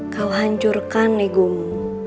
kau hancurkan legumu